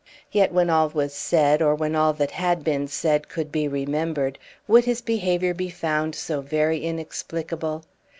Yet, when all was said, or when all that had been said could be remembered, would his behavior be found so very inexplicable?